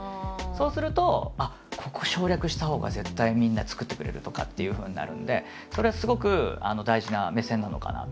そうするとここ省略したほうが絶対みんな作ってくれるとかっていうふうになるんでそれはすごく大事な目線なのかなっていうふうには思ってますね。